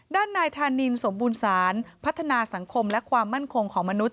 ด้านนายธานินสมบูรณสารพัฒนาสังคมและความมั่นคงของมนุษย